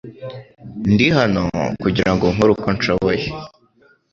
Ndi hano kugirango nkore uko nshoboye .